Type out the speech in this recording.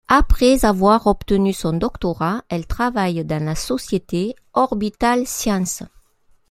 Après avoir obtenu son doctorat elle travaille dans la société Orbital Sciences.